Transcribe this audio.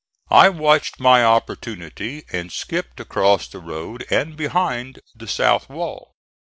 I watched my opportunity and skipped across the road and behind the south wall.